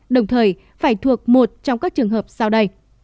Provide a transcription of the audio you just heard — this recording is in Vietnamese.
đồng thời phải thuộc một trong các trường hợp sau đây